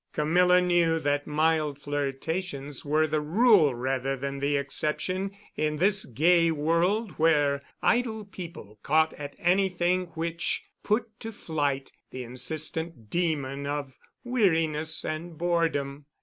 Camilla knew that mild flirtations were the rule rather than the exception in this gay world where idle people caught at anything which put to flight the insistent demon of weariness and boredom.